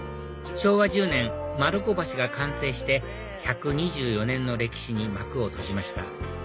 昭和１０年丸子橋が完成して１２４年の歴史に幕を閉じました